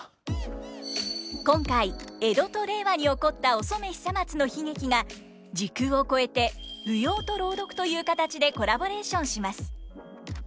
今回江戸と令和に起こったお染久松の悲劇が時空を超えて舞踊と朗読という形でコラボレーションします。